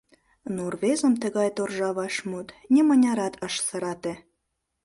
Но рвезым тыгай торжа вашмут нимынярат ыш сырате.